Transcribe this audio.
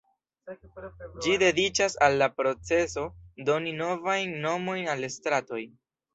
Ĝi dediĉas al la procezo doni novajn nomojn al stratoj.